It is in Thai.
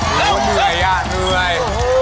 มันเหนื่อย